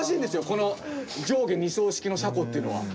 この上下２層式の車庫っていうのは。